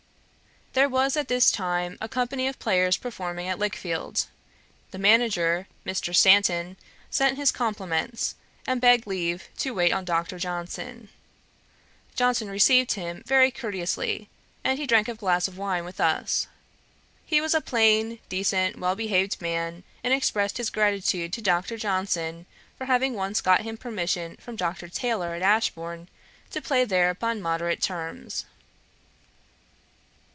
There was at this time a company of players performing at Lichfield. The manager, Mr. Stanton, sent his compliments, and begged leave to wait on Dr. Johnson. Johnson received him very courteously, and he drank a glass of wine with us. He was a plain decent well behaved man, and expressed his gratitude to Dr. Johnson for having once got him permission from Dr. Taylor at Ashbourne to play there upon moderate terms.